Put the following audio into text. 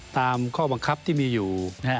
ตามข้อบังคับที่มีอยู่